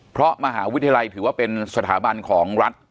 เพราะมหาวิทยาลัยถือว่าเป็นสถาบันของรัฐ